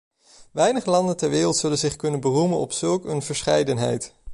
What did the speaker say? Weinig landen ter wereld zullen zich kunnen beroemen op zulk een verscheidenheid.